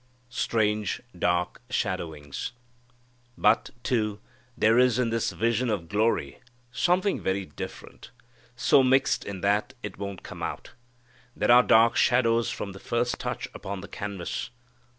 Strange Dark Shadowings. But, too, there is in this vision of glory something very different, so mixed in that it won't come out. There are dark shadows from the first touch upon the canvas.